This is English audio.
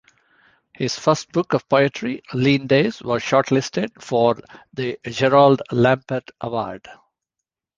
His first book of poetry "Lean Days" was shortlisted for the Gerald Lampert Award.